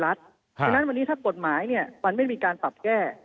เพราะฉะนั้นวันนี้ถ้ากฎหมายมันไม่มีการปรับแก้